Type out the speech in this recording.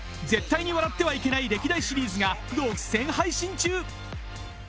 「絶対に笑ってはいけない」歴代シリーズが独占配信中。